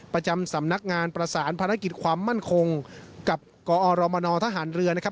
ประจำสำนักงานประสานภารกิจความมั่นคงกับกอรมนทหารเรือนะครับ